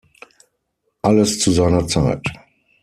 Alles zu seiner Zeit!